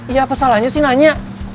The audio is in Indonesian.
iya apa salahnya sih nanya